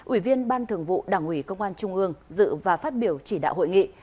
ủy viên ban thường vụ đảng ủy công an trung ương dự và phát biểu chỉ đạo hội nghị